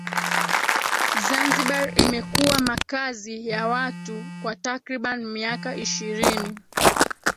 Zanzibar imekuwa makazi ya watu kwa takribani miaka ishirini